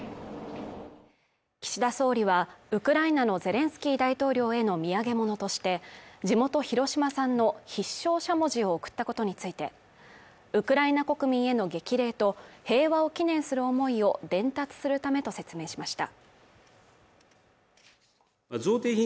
岸田総理は、ウクライナのゼレンスキー大統領への土産物として地元広島産の必勝しゃもじを贈ったことについて、ウクライナ国民への激励と平和を祈念する思いを伝達するためと説明しました。